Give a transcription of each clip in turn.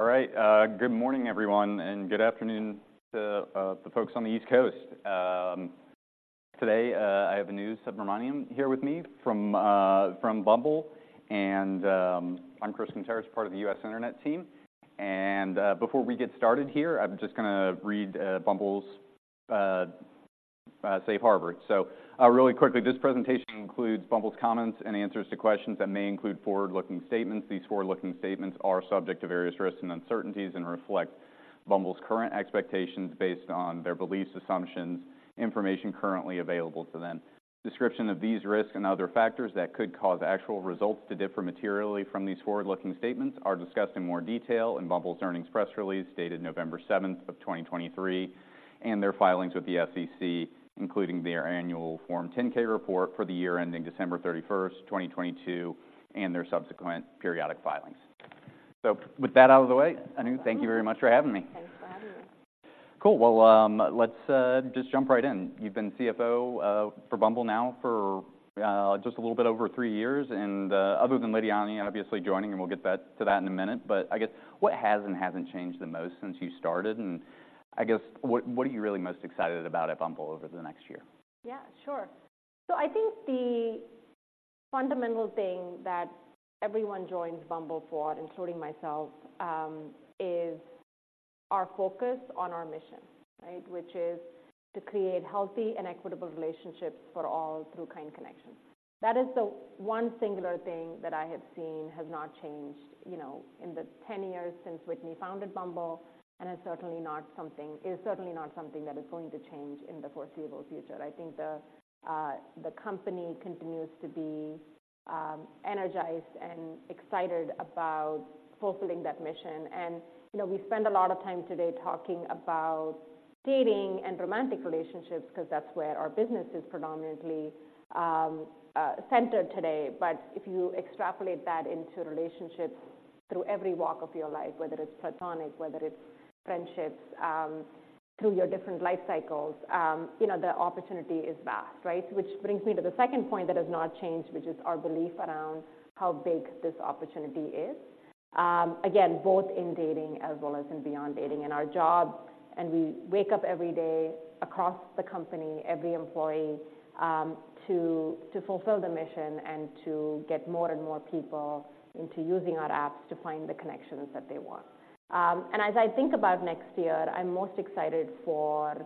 All right, good morning, everyone, and good afternoon to the folks on the East Coast. Today, I have Anu Subramanian here with me from Bumble, and I'm Chris Kuntarich, part of the U.S. Internet team. Before we get started here, I'm just gonna read Bumble's safe harbor. So, really quickly, this presentation includes Bumble's comments and answers to questions that may include forward-looking statements. These forward-looking statements are subject to various risks and uncertainties, and reflect Bumble's current expectations based on their beliefs, assumptions, information currently available to them. Description of these risks and other factors that could cause actual results to differ materially from these forward-looking statements are discussed in more detail in Bumble's earnings press release, dated November 7, 2023, and their filings with the SEC, including their Annual Form 10-K Report for the year ending December 31, 2022, and their subsequent periodic filings. So with that out of the way, Anu, thank you very much for having me. Thanks for having me. Cool. Well, let's just jump right in. You've been CFO for Bumble now for just a little bit over three years. And other than Lidiane obviously joining, and we'll get back to that in a minute, but I guess what has and hasn't changed the most since you started? And I guess, what are you really most excited about at Bumble over the next year? Yeah, sure. So I think the fundamental thing that everyone joins Bumble for, including myself, is our focus on our mission, right? Which is to create healthy and equitable relationships for all through kind connections. That is the one singular thing that I have seen has not changed, you know, in the 10 years since Whitney founded Bumble, and is certainly not something that is going to change in the foreseeable future. I think the company continues to be energized and excited about fulfilling that mission. And, you know, we spend a lot of time today talking about dating and romantic relationships, 'cause that's where our business is predominantly centered today. But if you extrapolate that into relationships through every walk of your life, whether it's platonic, whether it's friendships, through your different life cycles, you know, the opportunity is vast, right? Which brings me to the second point that has not changed, which is our belief around how big this opportunity is. Again, both in dating as well as in beyond dating. And our job, and we wake up every day across the company, every employee, to, to fulfill the mission and to get more and more people into using our apps to find the connections that they want. And as I think about next year, I'm most excited for,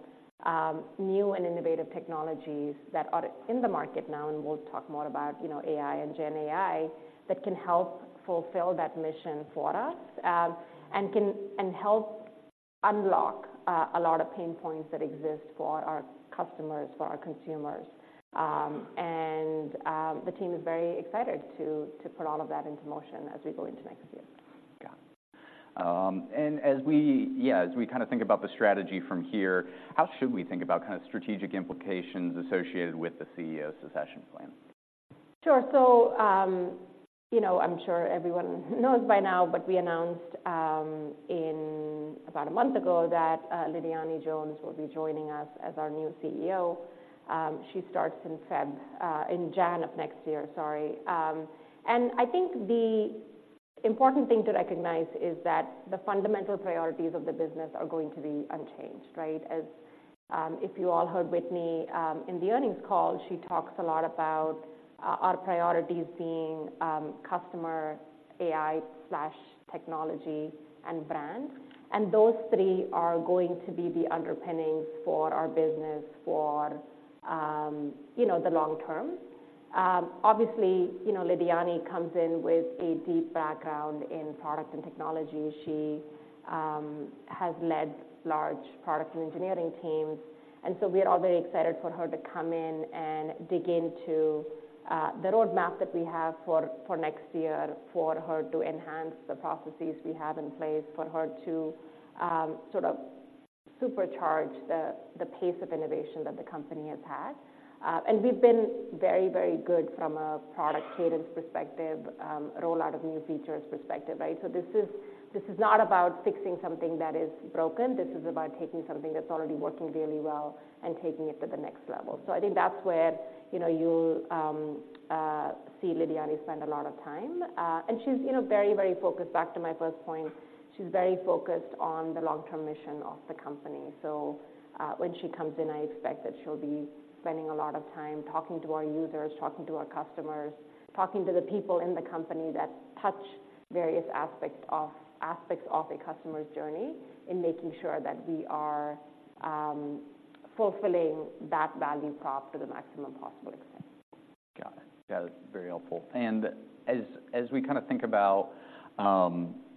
new and innovative technologies that are in the market now, and we'll talk more about, you know, AI and Gen AI, that can help fulfill that mission for us, and can. Help unlock a lot of pain points that exist for our customers, for our consumers. The team is very excited to put all of that into motion as we go into next year. Got it. And as we kind of think about the strategy from here, how should we think about kind of strategic implications associated with the CEO's succession plan? Sure. So, you know, I'm sure everyone knows by now, but we announced in about a month ago that Lidiane Jones will be joining us as our new CEO. She starts in February, in January of next year, sorry. And I think the important thing to recognize is that the fundamental priorities of the business are going to be unchanged, right? As if you all heard Whitney in the earnings call, she talks a lot about our priorities being customer, AI/technology and brand. And those three are going to be the underpinnings for our business for, you know, the long term. Obviously, you know, Lidiane comes in with a deep background in product and technology. She has led large product and engineering teams, and so we are all very excited for her to come in and dig into the roadmap that we have for next year, for her to enhance the processes we have in place, for her to sort of supercharge the pace of innovation that the company has had. And we've been very, very good from a product cadence perspective, rollout of new features perspective, right? So this is not about fixing something that is broken. This is about taking something that's already working really well and taking it to the next level. So I think that's where, you know, you'll see Lidiane spend a lot of time. And she's, you know, very, very focused, back to my first point. She's very focused on the long-term mission of the company. So, when she comes in, I expect that she'll be spending a lot of time talking to our users, talking to our customers, talking to the people in the company that touch various aspects of a customer's journey, in making sure that we are fulfilling that value prop to the maximum possible extent. Got it. Yeah, that's very helpful. And as we kind of think about,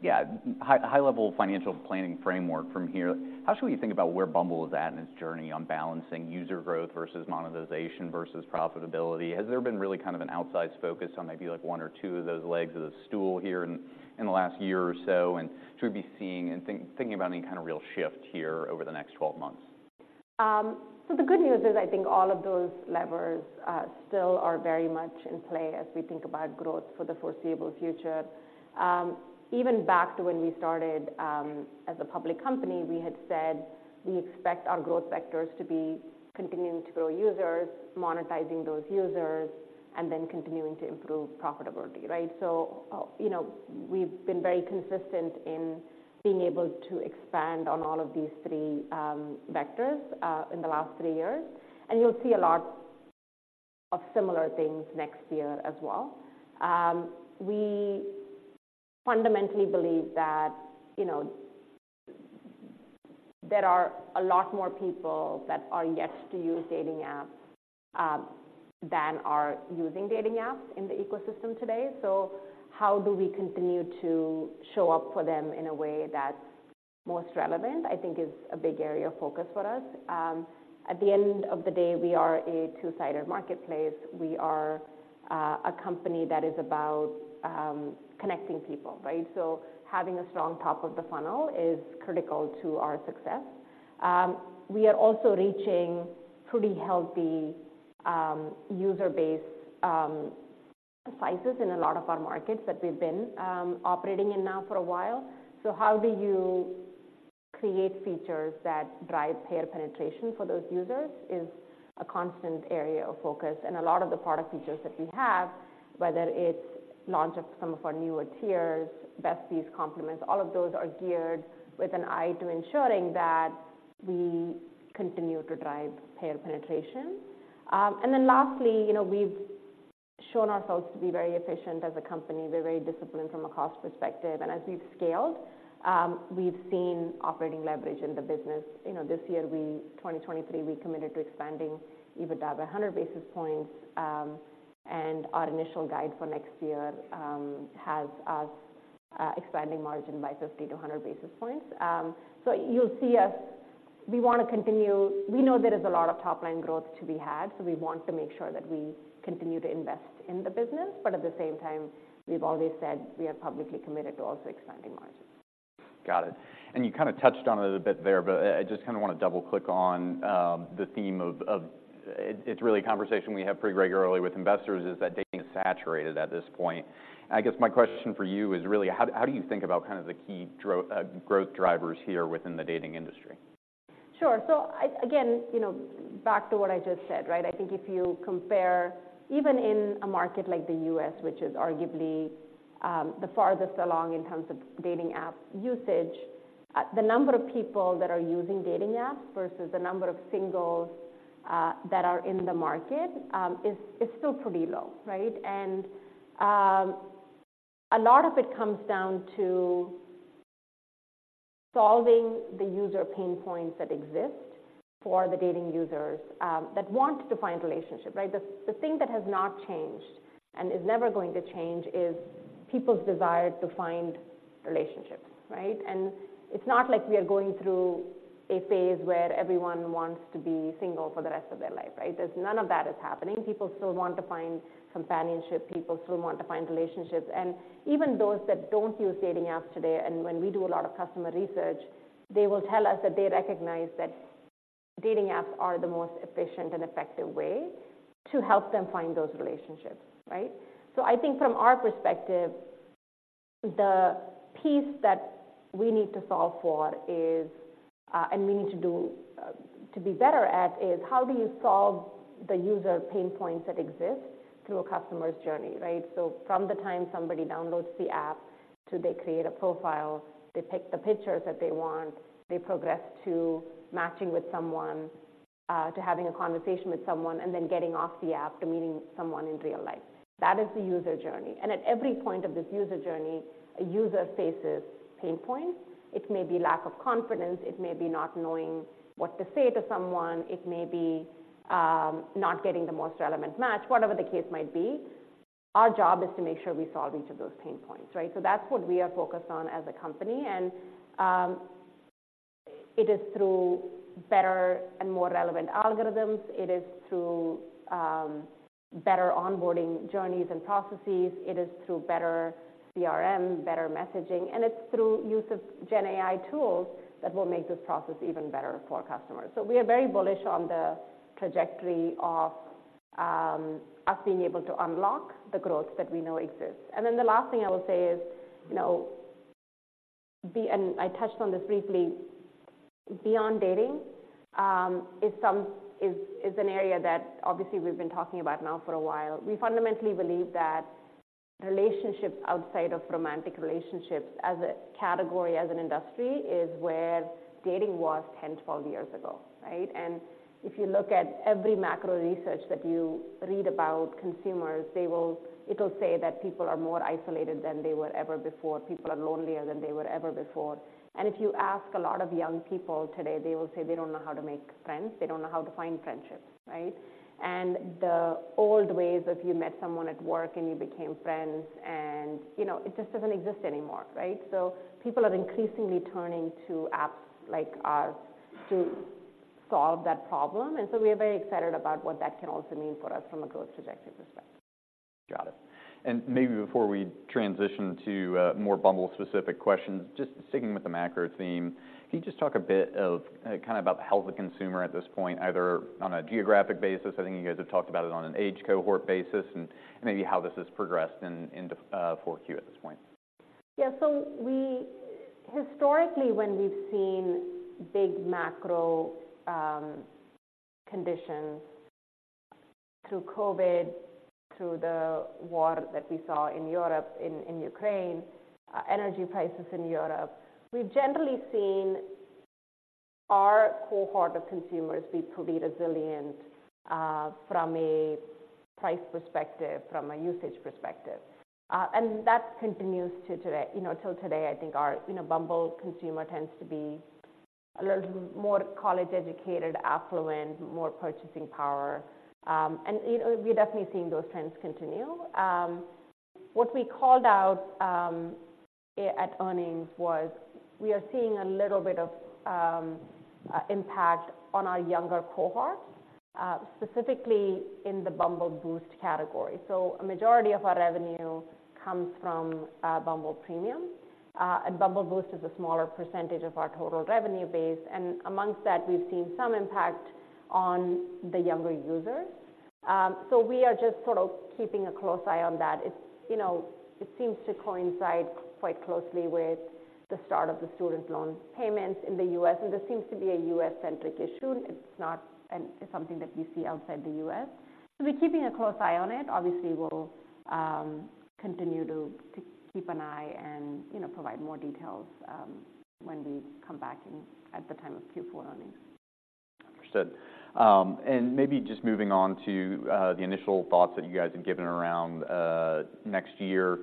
yeah, high-level financial planning framework from here, how should we think about where Bumble is at in its journey on balancing user growth versus monetization versus profitability? Has there been really kind of an outsized focus on maybe, like, one or two of those legs of the stool here in the last year or so? And should we be seeing and thinking about any kind of real shift here over the next 12 months? So the good news is, I think all of those levers still are very much in play as we think about growth for the foreseeable future. Even back to when we started as a public company, we had said we expect our growth vectors to be continuing to grow users, monetizing those users, and then continuing to improve profitability, right? So you know, we've been very consistent in being able to expand on all of these three vectors in the last three years. And you'll see a lot of similar things next year as well. We fundamentally believe that, you know, there are a lot more people that are yet to use dating apps than are using dating apps in the ecosystem today. So how do we continue to show up for them in a way that's most relevant, I think is a big area of focus for us. At the end of the day, we are a two-sided marketplace. We are a company that is about connecting people, right? So having a strong top of the funnel is critical to our success. We are also reaching pretty healthy user base sizes in a lot of our markets that we've been operating in now for a while. So how do you create features that drive payer penetration for those users is a constant area of focus. And a lot of the product features that we have, whether it's launch of some of our newer tiers, Best Bees, Compliments, all of those are geared with an eye to ensuring that we continue to drive payer penetration. And then lastly, you know, we've shown ourselves to be very efficient as a company. We're very disciplined from a cost perspective, and as we've scaled, we've seen operating leverage in the business. You know, this year, 2023, we committed to expanding EBITDA by 100 basis points. And our initial guide for next year has us expanding margin by 50-100 basis points. So you'll see us. We wanna continue. We know there is a lot of top-line growth to be had, so we want to make sure that we continue to invest in the business, but at the same time, we've always said we are publicly committed to also expanding margins. Got it. And you kind of touched on it a bit there, but I just kind of wanna double-click on the theme of. It's really a conversation we have pretty regularly with investors, is that dating is saturated at this point. I guess my question for you is really: How do you think about kind of the key growth drivers here within the dating industry? Sure. So again, you know, back to what I just said, right? I think if you compare even in a market like the U.S., which is arguably, the farthest along in terms of dating app usage, the number of people that are using dating apps versus the number of singles, that are in the market, is still pretty low, right? And, a lot of it comes down to solving the user pain points that exist for the dating users, that want to find relationship, right? The thing that has not changed and is never going to change is people's desire to find relationships, right? And it's not like we are going through a phase where everyone wants to be single for the rest of their life, right? There's none of that is happening. People still want to find companionship, people still want to find relationships, and even those that don't use dating apps today, and when we do a lot of customer research, they will tell us that they recognize that dating apps are the most efficient and effective way to help them find those relationships, right? So I think from our perspective, the piece that we need to solve for is, and we need to do, to be better at, is how do you solve the user pain points that exist through a customer's journey, right? So from the time somebody downloads the app to they create a profile, they pick the pictures that they want, they progress to matching with someone, to having a conversation with someone, and then getting off the app to meeting someone in real life. That is the user journey, and at every point of this user journey, a user faces pain points. It may be lack of confidence, it may be not knowing what to say to someone, it may be, not getting the most relevant match, whatever the case might be. Our job is to make sure we solve each of those pain points, right? So that's what we are focused on as a company. And, it is through better and more relevant algorithms, it is through, better onboarding journeys and processes, it is through better CRM, better messaging, and it's through use of GenAI tools that will make this process even better for customers. So we are very bullish on the trajectory of, us being able to unlock the growth that we know exists. And then the last thing I will say is, you know, be... I touched on this briefly. Beyond dating is an area that obviously we've been talking about now for a while. We fundamentally believe that relationships outside of romantic relationships, as a category, as an industry, is where dating was 10, 12 years ago, right? If you look at every macro research that you read about consumers, it'll say that people are more isolated than they were ever before. People are lonelier than they were ever before. If you ask a lot of young people today, they will say they don't know how to make friends, they don't know how to find friendships, right? The old ways of you met someone at work and you became friends and, you know, it just doesn't exist anymore, right? So people are increasingly turning to apps like ours to solve that problem, and so we are very excited about what that can also mean for us from a growth trajectory perspective. Got it. And maybe before we transition to more Bumble-specific questions, just sticking with the macro theme, can you just talk a bit of kind of about the health of consumer at this point, either on a geographic basis, I think you guys have talked about it, on an age cohort basis, and maybe how this has progressed in the four Q at this point? Yeah. So we historically, when we've seen big macro conditions through COVID, through the war that we saw in Europe, in Ukraine, energy prices in Europe, we've generally seen our cohort of consumers, we proved resilient, from a price perspective, from a usage perspective. And that continues to today. You know, till today, I think our, you know, Bumble consumer tends to be a little more college-educated, affluent, more purchasing power. And, you know, we're definitely seeing those trends continue. What we called out at earnings was we are seeing a little bit of impact on our younger cohort, specifically in the Bumble Boost category. A majority of our revenue comes from Bumble Premium, and Bumble Boost is a smaller percentage of our total revenue base, and amongst that, we've seen some impact on the younger users. We are just sort of keeping a close eye on that. It's, you know, it seems to coincide quite closely with the start of the student loan payments in the U.S., and this seems to be a U.S.-centric issue. It's not something that we see outside the U.S. We're keeping a close eye on it. Obviously, we'll continue to keep an eye and, you know, provide more details when we come back in at the time of Q4 earnings. Understood. Maybe just moving on to the initial thoughts that you guys have given around next year.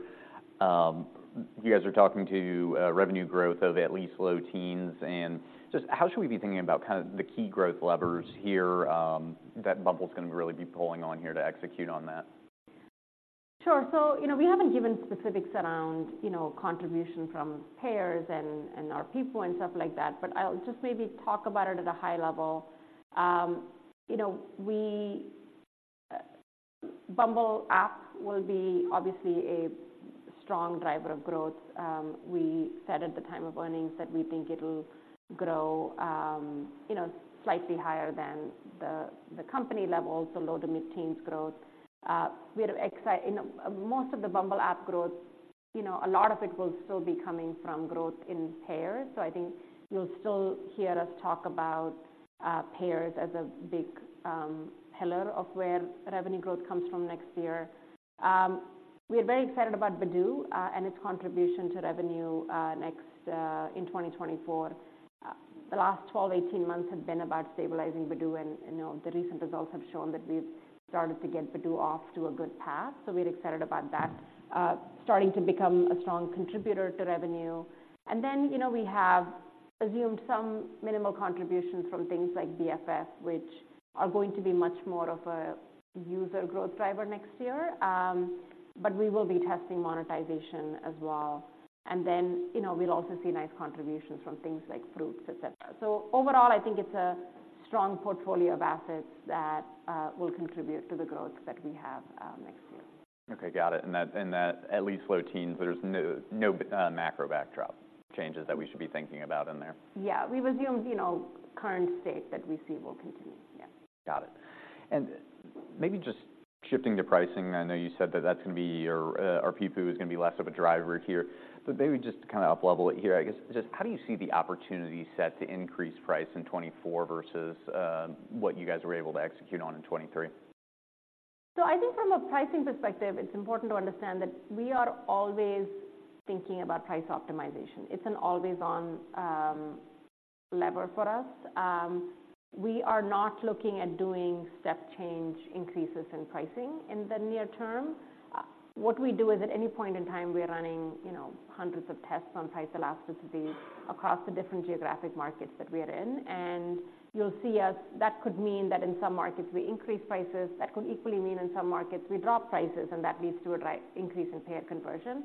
You guys are talking to revenue growth of at least low teens, and just how should we be thinking about kind of the key growth levers here that Bumble's gonna really be pulling on here to execute on that? Sure. So, you know, we haven't given specifics around, you know, contribution from payers and, and ARPPU and stuff like that, but I'll just maybe talk about it at a high level. You know, we—Bumble app will be obviously a strong driver of growth. We said at the time of earnings that we think it'll grow, you know, slightly higher than the, the company level, so low- to mid-teens growth. We're excited and most of the Bumble app growth, you know, a lot of it will still be coming from growth in payers. So I think you'll still hear us talk about, payers as a big, pillar of where revenue growth comes from next year. We are very excited about Badoo, and its contribution to revenue, next, in 2024. The last 12-18 months have been about stabilizing Badoo, and, you know, the recent results have shown that we've started to get Badoo off to a good path, so we're excited about that, starting to become a strong contributor to revenue. And then, you know, we have assumed some minimal contributions from things like BFF, which are going to be much more of a user growth driver next year. But we will be testing monetization as well. And then, you know, we'll also see nice contributions from things like Fruitz, et cetera. So overall, I think it's a strong portfolio of assets that will contribute to the growth that we have next year. Okay, got it. And that at least low teens, there's no, no, macro backdrop changes that we should be thinking about in there? Yeah, we assume, you know, current state that we see will continue. Yeah. Got it. Maybe just shifting to pricing, I know you said that that's gonna be your ARPPU is gonna be less of a driver here, but maybe just to kind of up-level it here, I guess, just how do you see the opportunity set to increase price in 2024 versus what you guys were able to execute on in 2023? So I think from a pricing perspective, it's important to understand that we are always thinking about price optimization. It's an always-on lever for us. We are not looking at doing step change increases in pricing in the near term. What we do is, at any point in time, we are running, you know, hundreds of tests on price elasticity across the different geographic markets that we are in. And you'll see that could mean that in some markets, we increase prices. That could equally mean in some markets, we drop prices, and that leads to an increase in payer conversion.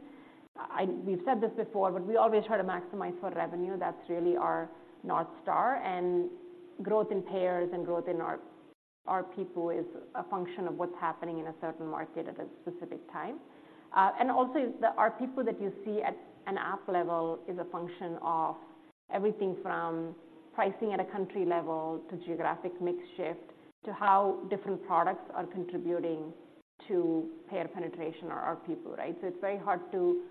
We've said this before, but we always try to maximize for revenue. That's really our North Star, and growth in payers and growth in our ARPPU is a function of what's happening in a certain market at a specific time. And also the ARPPU that you see at an app level is a function of everything from pricing at a country level, to geographic mix shift, to how different products are contributing to payer penetration or ARPPU, right? So it's very hard to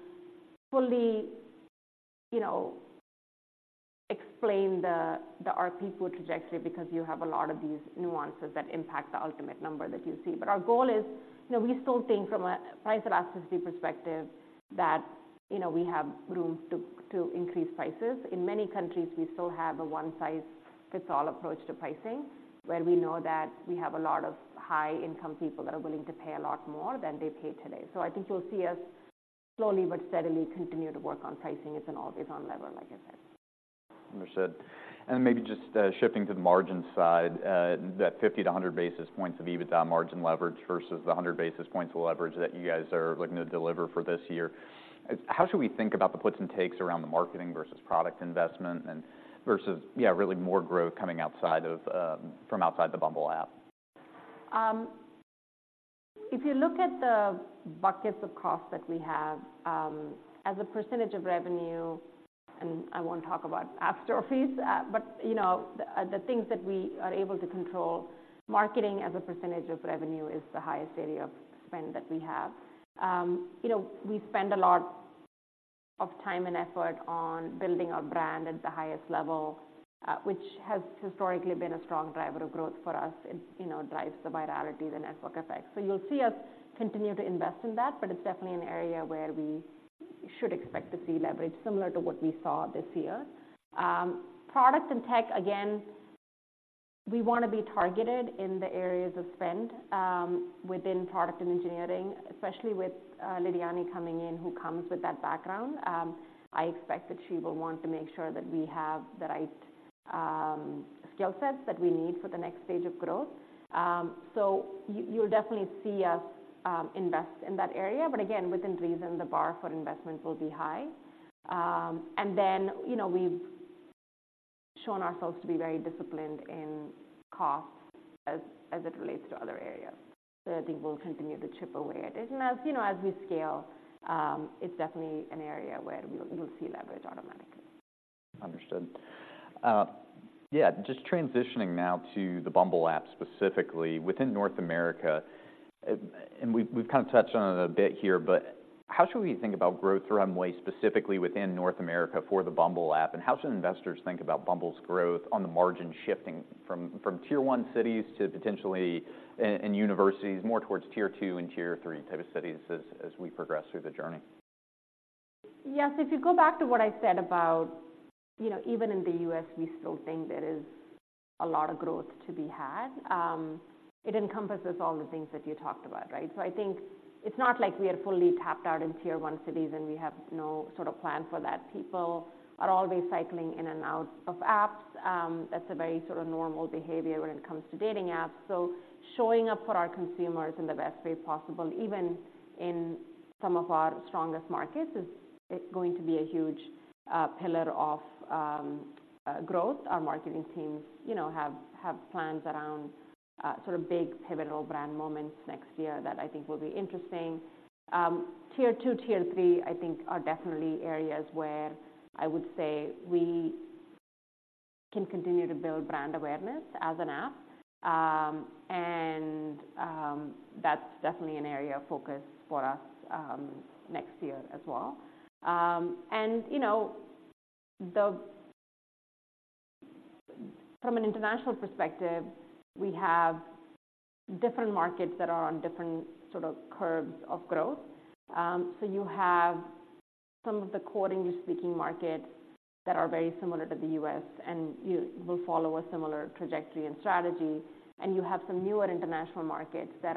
fully, you know, explain the ARPPU trajectory because you have a lot of these nuances that impact the ultimate number that you see. But our goal is, you know, we still think from a price elasticity perspective that, you know, we have room to increase prices. In many countries, we still have a one-size-fits-all approach to pricing, where we know that we have a lot of high-income people that are willing to pay a lot more than they pay today. So I think you'll see us slowly but steadily continue to work on pricing. It's an always-on lever, like I said. Understood. And then maybe just, shifting to the margin side, that 50-100 basis points of EBITDA margin leverage versus the 100 basis points of leverage that you guys are looking to deliver for this year. How should we think about the puts and takes around the marketing versus product investment and versus, yeah, really more growth coming outside of, from outside the Bumble app? If you look at the buckets of cost that we have, as a percentage of revenue, and I won't talk about App Store fees, but, you know, the, the things that we are able to control, marketing as a percentage of revenue is the highest area of spend that we have. You know, we spend a lot of time and effort on building our brand at the highest level, which has historically been a strong driver of growth for us. It, you know, drives the virality, the network effect. So you'll see us continue to invest in that, but it's definitely an area where we should expect to see leverage similar to what we saw this year. Product and tech, again, we want to be targeted in the areas of spend, within product and engineering, especially with Lidiane coming in, who comes with that background. I expect that she will want to make sure that we have the right skill sets that we need for the next stage of growth. So you, you'll definitely see us invest in that area, but again, within reason, the bar for investment will be high. And then, you know, we've shown ourselves to be very disciplined in costs as it relates to other areas. So I think we'll continue to chip away at it. And as you know, as we scale, it's definitely an area where you'll see leverage automatically. Understood. Yeah, just transitioning now to the Bumble app, specifically within North America, and we've kind of touched on it a bit here, but how should we think about growth runway, specifically within North America for the Bumble app? And how should investors think about Bumble's growth on the margin shifting from Tier 1 cities to potentially and universities, more towards Tier 2 and Tier 3 type of cities as we progress through the journey? Yes. If you go back to what I said about, you know, even in the U.S., we still think there is a lot of growth to be had. It encompasses all the things that you talked about, right? So I think it's not like we are fully tapped out in Tier 1 cities and we have no sort of plan for that. People are always cycling in and out of apps. That's a very sort of normal behavior when it comes to dating apps. So showing up for our consumers in the best way possible, even in some of our strongest markets, is going to be a huge pillar of growth. Our marketing teams, you know, have plans around sort of big, pivotal brand moments next year that I think will be interesting. Tier 2, Tier 3, I think are definitely areas where I would say we can continue to build brand awareness as an app. That's definitely an area of focus for us next year as well. You know, from an international perspective, we have different markets that are on different sort of curves of growth. So you have some of the coding speaking markets that are very similar to the U.S., and you will follow a similar trajectory and strategy, and you have some newer international markets that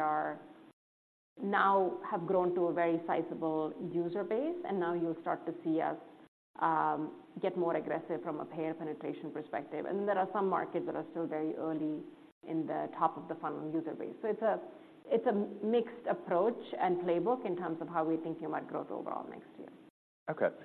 now have grown to a very sizable user base, and now you'll start to see us get more aggressive from a Payer Penetration perspective. And there are some markets that are still very early in the top of the funnel user base. It's a mixed approach and playbook in terms of how we're thinking about growth overall next year. Okay.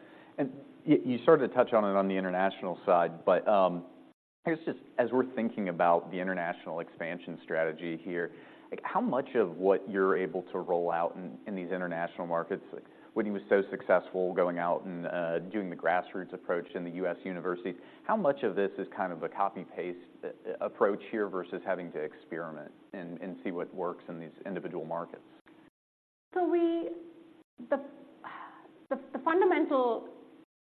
You sort of touched on it on the international side, but, I guess just as we're thinking about the international expansion strategy here, like, how much of what you're able to roll out in, in these international markets, like, when you were so successful going out and doing the grassroots approach in the U.S. university, how much of this is kind of a copy-paste approach here versus having to experiment and see what works in these individual markets? So the fundamental,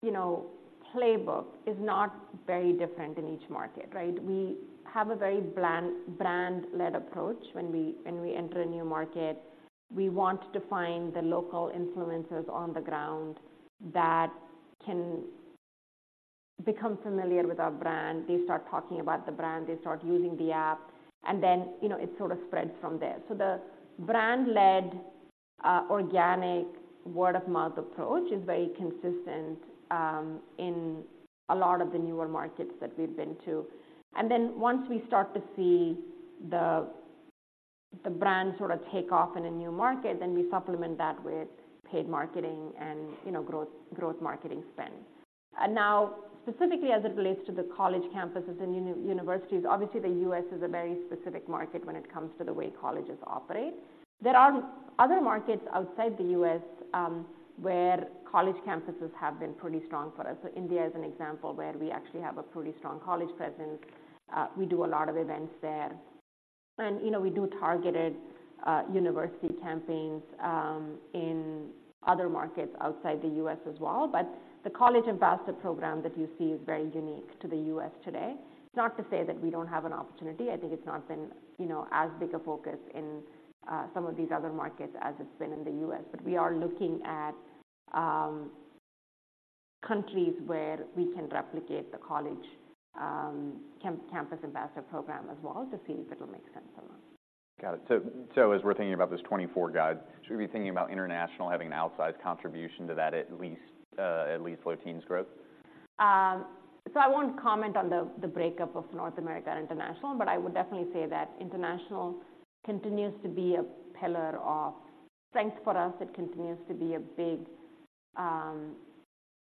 you know, playbook is not very different in each market, right? We have a very brand-led approach when we enter a new market. We want to find the local influencers on the ground that can become familiar with our brand. They start talking about the brand, they start using the app, and then, you know, it sort of spreads from there. So the brand-led organic word-of-mouth approach is very consistent in a lot of the newer markets that we've been to. And then once we start to see the brand sort of take off in a new market, then we supplement that with paid marketing and, you know, growth marketing spend. And now, specifically as it relates to the college campuses and universities, obviously, the U.S. is a very specific market when it comes to the way colleges operate. There are other markets outside the U.S., where college campuses have been pretty strong for us. So India is an example where we actually have a pretty strong college presence. We do a lot of events there. And, you know, we do targeted university campaigns in other markets outside the U.S. as well. But the college ambassador program that you see is very unique to the U.S. today. It's not to say that we don't have an opportunity. I think it's not been, you know, as big a focus in some of these other markets as it's been in the U.S. But we are looking at countries where we can replicate the college campus ambassador program as well, to see if it'll make sense or not. Got it. So, so as we're thinking about this 24 guide, should we be thinking about international having an outsized contribution to that, at least, at least low teens growth? So I won't comment on the breakup of North America international, but I would definitely say that international continues to be a pillar of strength for us. It continues to be a big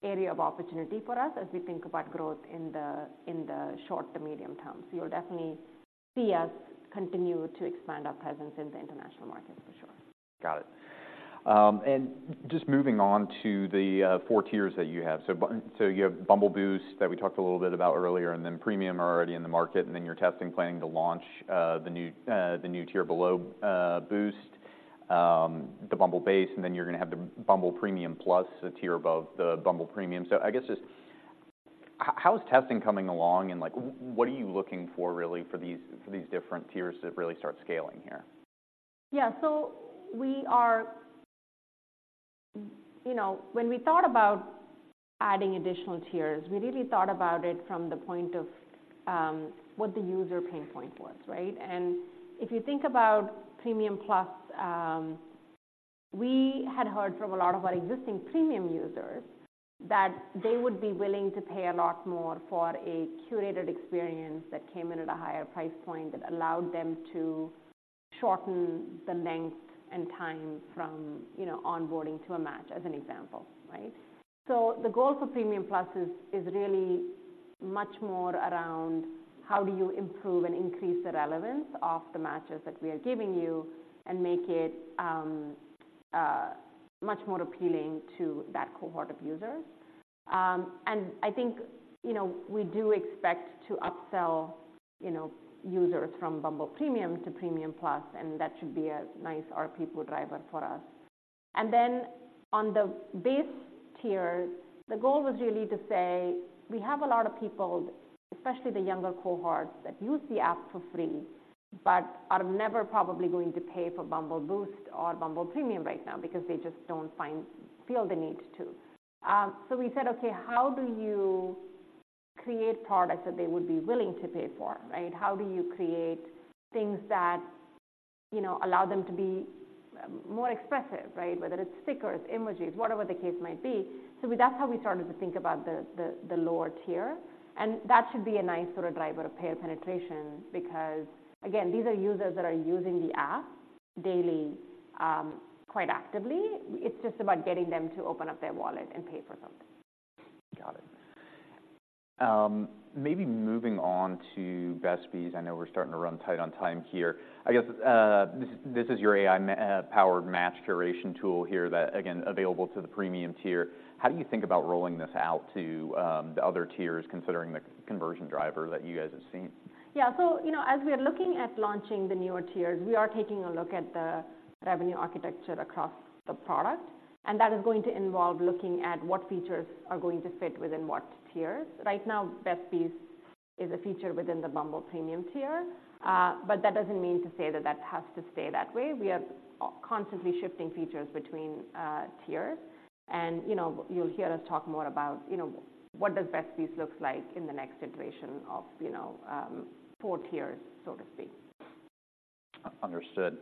area of opportunity for us as we think about growth in the short to medium term. So you'll definitely see us continue to expand our presence in the international market for sure. Got it. And just moving on to the four tiers that you have. So you have Bumble Boost that we talked a little bit about earlier, and then Premium are already in the market, and then you're testing, planning to launch the new tier below Boost, the Bumble Base, and then you're gonna have the Bumble Premium Plus, the tier above the Bumble Premium. So I guess how is testing coming along, and like what are you looking for really for these for these different tiers to really start scaling here? Yeah. So we are. You know, when we thought about adding additional tiers, we really thought about it from the point of what the user pain point was, right? And if you think about Premium Plus, we had heard from a lot of our existing premium users that they would be willing to pay a lot more for a curated experience that came in at a higher price point, that allowed them to shorten the length and time from, you know, onboarding to a match, as an example, right? So the goal for Premium Plus is really much more around how do you improve and increase the relevance of the matches that we are giving you and make it much more appealing to that cohort of users. and I think, you know, we do expect to upsell, you know, users from Bumble Premium to Premium Plus, and that should be a nice RP driver for us. And then on the base tier, the goal was really to say we have a lot of people, especially the younger cohorts, that use the app for free, but are never probably going to pay for Bumble Boost or Bumble Premium right now because they just don't feel the need to. So we said, "Okay, how do you create products that they would be willing to pay for, right? How do you create things that, you know, allow them to be more expressive, right? Whether it's stickers, emojis, whatever the case might be." So that's how we started to think about the lower tier, and that should be a nice sort of driver of payer penetration, because, again, these are users that are using the app daily, quite actively. It's just about getting them to open up their wallet and pay for something. Got it. Maybe moving on to Best Bees, I know we're starting to run tight on time here. I guess, this is your AI-powered match curation tool here that, again, available to the premium tier. How do you think about rolling this out to the other tiers, considering the conversion driver that you guys have seen? Yeah. So, you know, as we are looking at launching the newer tiers, we are taking a look at the revenue architecture across the product, and that is going to involve looking at what features are going to fit within what tiers. Right now, Best Bees is a feature within the Bumble Premium tier, but that doesn't mean to say that that has to stay that way. We are constantly shifting features between tiers. And, you know, you'll hear us talk more about, you know, what does Best Bees looks like in the next iteration of, you know, four tiers, so to speak. Understood.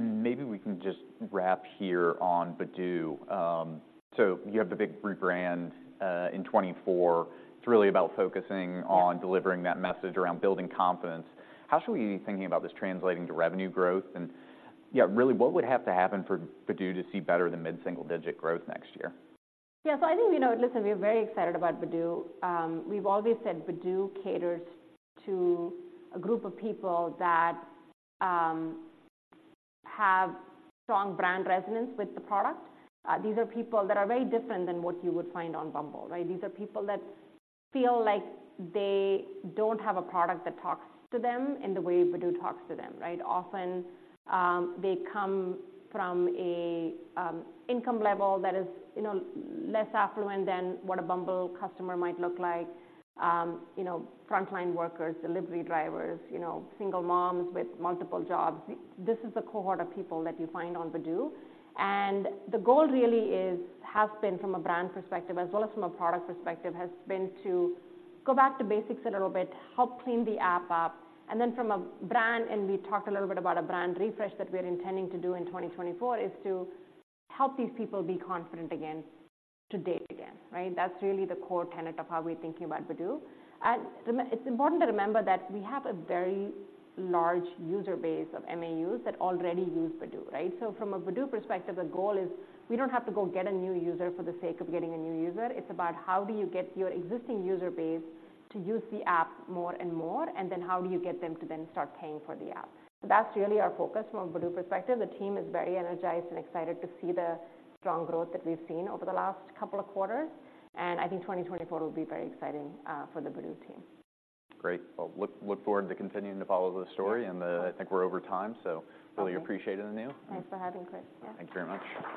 Maybe we can just wrap here on Badoo. You have the big rebrand in 2024. It's really about focusing on- Yeah delivering that message around building confidence. How should we be thinking about this translating to revenue growth? And, yeah, really, what would have to happen for Badoo to see better than mid-single-digit growth next year? Yeah. So I think, you know, listen, we are very excited about Badoo. We've always said Badoo caters to a group of people that have strong brand resonance with the product. These are people that are very different than what you would find on Bumble, right? These are people that feel like they don't have a product that talks to them in the way Badoo talks to them, right? Often, they come from a income level that is, you know, less affluent than what a Bumble customer might look like. You know, frontline workers, delivery drivers, you know, single moms with multiple jobs. This is the cohort of people that you find on Badoo. The goal really is, has been from a brand perspective, as well as from a product perspective, has been to go back to basics a little bit, help clean the app up, and then from a brand, and we talked a little bit about a brand refresh that we're intending to do in 2024, is to help these people be confident again, to date again, right? That's really the core tenet of how we're thinking about Badoo. And it's important to remember that we have a very large user base of MAUs that already use Badoo, right? So from a Badoo perspective, the goal is we don't have to go get a new user for the sake of getting a new user. It's about how do you get your existing user base to use the app more and more, and then how do you get them to then start paying for the app? So that's really our focus from a Badoo perspective. The team is very energized and excited to see the strong growth that we've seen over the last couple of quarters, and I think 2024 will be very exciting, for the Badoo team. Great. Well, look, look forward to continuing to follow the story. Yeah. I think we're over time, so- Okay. Really appreciate it, Anu. Thanks for having me, Chris. Yeah. Thank you very much.